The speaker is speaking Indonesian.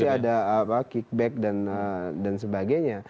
pasti ada kickback dan sebagainya